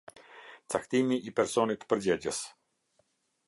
Caktimi i personit përgjegjës.